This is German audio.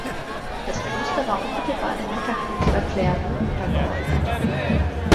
Das Kloster war unmittelbar dem Mutterkloster Clairvaux untergeordnet.